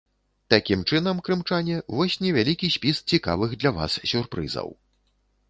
Такім чынам, крымчане, вось невялікі спіс цікавых для вас сюрпрызаў.